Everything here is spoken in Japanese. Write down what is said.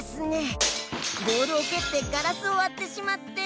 ボールをけってガラスをわってしまって。